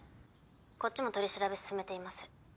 こっちも取り調べ進めています。